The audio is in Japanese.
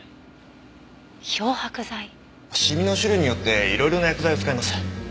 シミの種類によって色々な薬剤を使います。